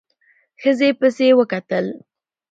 ښځې پسې وکتل.